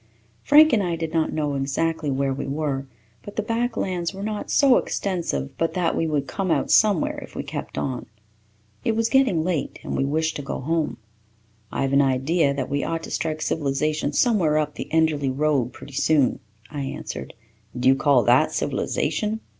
Frank and I did not know exactly where we were, but the back lands were not so extensive but that we would come out somewhere if we kept on. It was getting late and we wished to go home. "I have an idea that we ought to strike civilization somewhere up the Enderly Road pretty soon," I answered. "Do you call that civilization?"